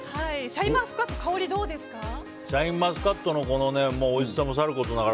シャインマスカットの香りはどうですか？